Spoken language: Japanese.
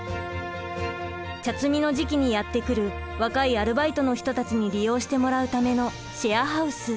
茶摘みの時期にやって来る若いアルバイトの人たちに利用してもらうためのシェアハウス。